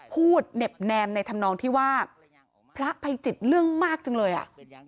เหน็บแนมในธรรมนองที่ว่าพระภัยจิตเรื่องมากจังเลยอ่ะ